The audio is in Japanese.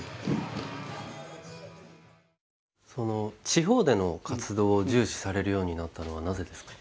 地方での活動を重視されるようになったのはなぜですか？